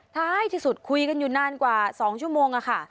ท้ายที่สุดคุยกันอยู่นานกว่า๒ชั่วโมงค่ะ